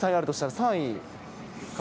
３位。